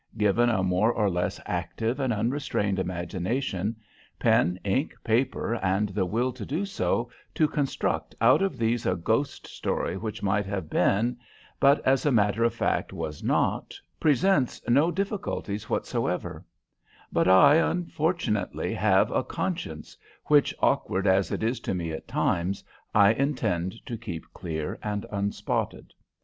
Given a more or less active and unrestrained imagination, pen, ink, paper, and the will to do so, to construct out of these a ghost story which might have been, but as a matter of fact was not, presents no difficulties whatsoever; but I unfortunately have a conscience which, awkward as it is to me at times, I intend to keep clear and unspotted.